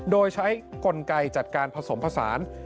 โดยใช้กลไกจัดการผสมผสาน